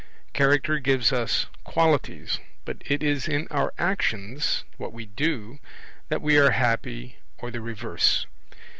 Character gives us qualities, but it is in our actions what we do that we are happy or the reverse.